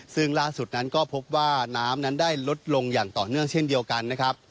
ซึ่งล่าสุดนั้นก็พบว่าน้ำนั้นได้ลดลงอย่างต่อเนื่องเช่นเดียวกันนะครับ